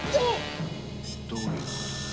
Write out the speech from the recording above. どういうことだ？